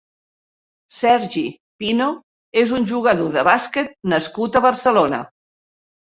Sergi Pino és un jugador de bàsquet nascut a Barcelona.